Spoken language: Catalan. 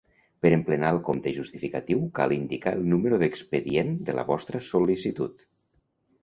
Per emplenar el compte justificatiu cal indicar el número d'expedient de la vostra sol·licitud.